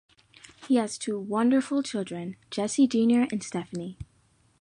He has two wonderful children, Jesse Junior and Stephanie.